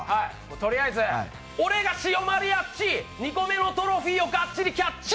とりあえず俺がシオマリアッチ２個目のトロフィーをガッチリ、キャッチ！